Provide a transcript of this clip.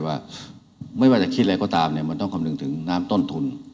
ว่าไม่ว่าจะคิดอะไรก็ตามต้องกำหนึ่งถึงน้ำต้นทุน